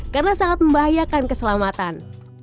karena sangat membahayakan keselamatan